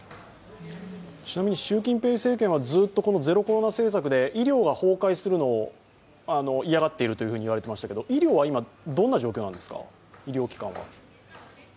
ちなみに習近平政権はずっとゼロコロナ政策で医療が崩壊するのを嫌がっているといわれていましたけど医療機関は今、どんな状況なんですか？